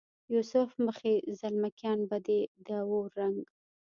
یوسف مخې زلمکیان به دې د اور رنګ،